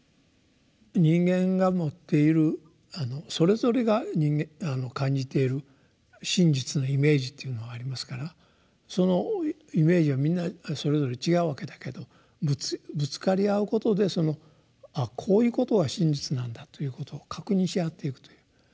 人間が持っているそれぞれが感じている真実のイメージっていうのはありますからそのイメージはみんなそれぞれ違うわけだけどぶつかり合うことで「ああこういうことが真実なんだ」ということを確認し合っていくという。